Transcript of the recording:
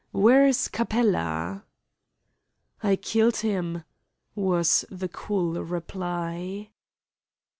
Where is Capella?" "I killed him," was the cool reply.